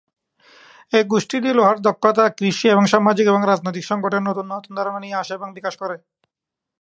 এই গোষ্ঠীগুলি লোহার দক্ষতা, কৃষি এবং সামাজিক এবং রাজনৈতিক সংগঠনের নতুন ধারণা নিয়ে আসে এবং বিকাশ করে।